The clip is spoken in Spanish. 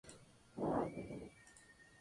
Se filmó en Fort Worth y en Houston.